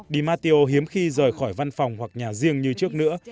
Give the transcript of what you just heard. di matteo hiếm khi rời khỏi văn phòng hoặc nhà riêng như trước nữa